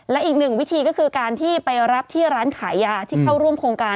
และอีกหนึ่งวิธีก็คือการที่ไปรับที่ร้านขายยาที่เข้าร่วมโครงการ